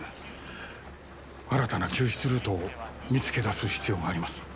新たな救出ルートを見つけ出す必要があります。